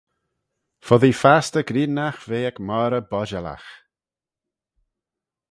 Foddee fastyr grianagh ve ec moghrey bodjalagh